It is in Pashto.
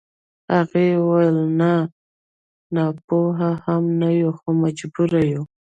هغې وويل نه ناپوهه هم نه يو خو مجبور يو.